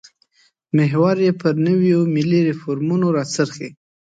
محور یې پر نویو ملي ریفورمونو راڅرخي.